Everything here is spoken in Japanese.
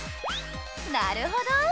なるほど。